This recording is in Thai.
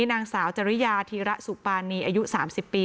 นางสาวจริยาธีระสุปานีอายุ๓๐ปี